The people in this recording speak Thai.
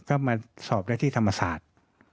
ก็มาสอบได้ที่ธรรมศาสตร์